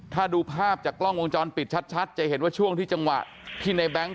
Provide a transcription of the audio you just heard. ถ้าดูภาพจากกล้องวงจรปิดชัดจะเห็นว่าช่วงที่จังหวะที่ในแบงค์